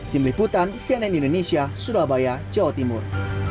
tim liputan cnn indonesia surabaya jawa timur